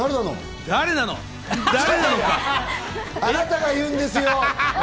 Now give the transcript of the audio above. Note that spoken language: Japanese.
あなたが言うんですよ。